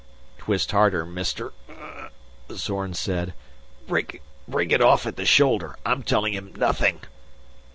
"Twist harder, Mister," Zorn said. "Break it off at the shoulder. I'm telling him nothing!"